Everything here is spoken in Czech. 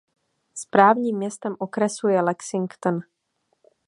Správním městem okresu je Lexington.